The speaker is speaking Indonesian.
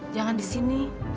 jangan di sini